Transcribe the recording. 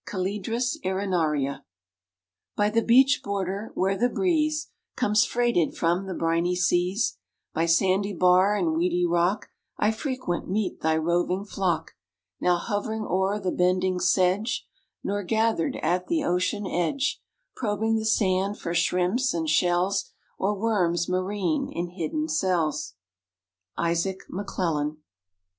(Calidris arenaria.) By the beach border, where the breeze Comes freighted from the briny seas, By sandy bar and weedy rock I frequent meet thy roving flock; Now hovering o'er the bending sedge, Nor gather'd at the ocean edge; Probing the sand for shrimps and shells, Or worms marine in hidden cells. —Isaac McClellan.